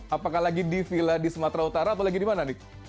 apakah lagi di villa di sumatera utara atau lagi dimana